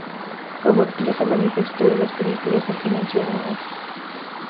Como actriz, se manifestó en las películas aquí mencionadas.